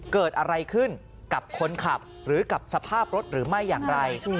เกิดอะไรขึ้นกับคนขับหรือกับสภาพรถหรือไม่อย่างไร